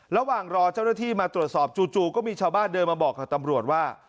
ระหว่างรอเจ้าหน้าที่มาตรวจสอบจู่ก็มีชาวบ้านเดินมาบอกกับตำรวจว่า